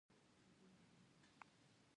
د خوست په ځاځي میدان کې د ګچ نښې شته.